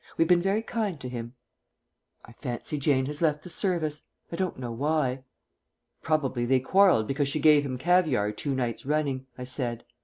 "We've been very kind to him." "I fancy Jane has left the service. I don't know why." "Probably they quarrelled because she gave him caviare two nights running," I said.